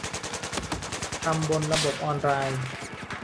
ทำบนระบบออนไลน์